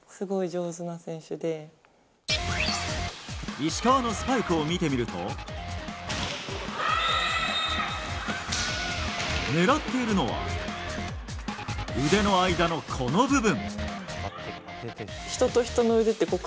石川のスパイクを見てみると狙っているのは腕の間の、この部分。